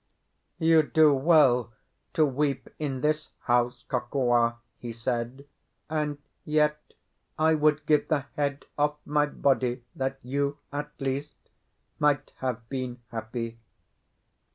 "You do well to weep in this house, Kokua," he said. "And yet I would give the head off my body that you (at least) might have been happy."